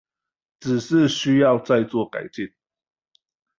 只是需要再做改進